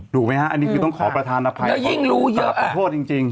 ดูมั้ยฮะอันนี้คือต้องขอประธานนักภัยของตราบประโฆษณ์จริง